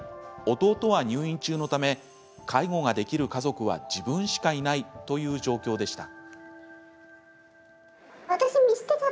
弟は入院中のため介護ができる家族は自分しかいないという状況でした。